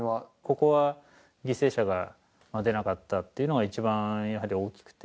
ここは犠牲者が出なかったっていうのが一番やはり大きくて。